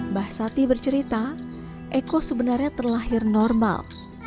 mbah sati bercerita eko sebenarnya terlahir normal